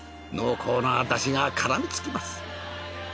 濃厚なだしが絡みつきます。